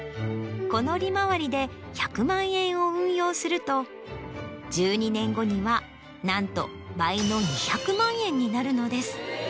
この利回りで１００万円を運用すると１２年後にはなんと倍の２００万円になるのです。